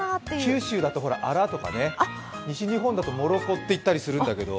九州だとアラとか、西日本だとモロコって言ったりするんだけど。